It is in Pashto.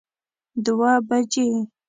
دوه بجی